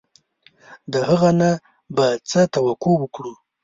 د هغه نه به څه توقع وکړو.